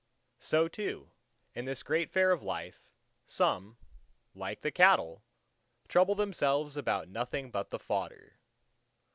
So too, in this great Fair of life, some, like the cattle, trouble themselves about nothing but the fodder.